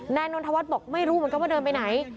นนทวัฒน์บอกไม่รู้เหมือนกันว่าเดินไปไหน